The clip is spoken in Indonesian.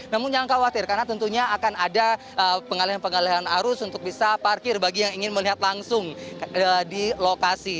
namun jangan khawatir karena tentunya akan ada pengalihan pengalihan arus untuk bisa parkir bagi yang ingin melihat langsung di lokasi